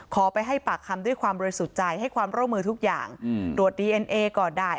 ไปให้ปากคำด้วยความบริสุทธิ์ใจให้ความร่วมมือทุกอย่างตรวจดีเอ็นเอก็ได้